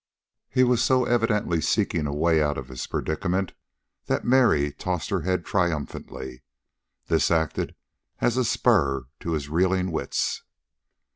He was so evidently seeking a way out of his predicament, that Mary tossed her head triumphantly. This acted as a spur to his reeling wits.